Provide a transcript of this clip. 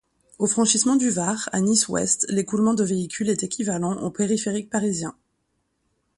Au franchissement du Var à Nice-Ouest, l'écoulement de véhicules est équivalent au Périphérique Parisien.